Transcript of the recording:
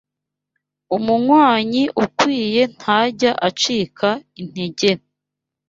Umunywanyi ukwiye ntajya acika integere